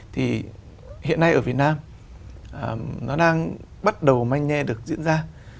thì hiện nay ở việt nam nó đang bắt đầu manh nhe được diễn ra